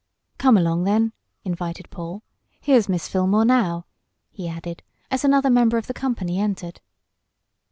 "Come along then!" invited Paul. "Here's Miss Fillmore now," he added, as another member of the company entered.